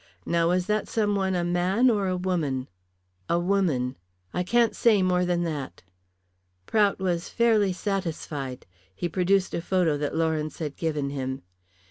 Now was that some one a man or a woman?" "A woman. I can't say more than that." Prout was fairly satisfied. He produced a photo that Lawrence had given him.